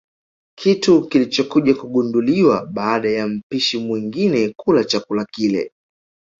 Kitu kilichokuja kugunduliwa baada ya mpishi mwingine kula chakula kile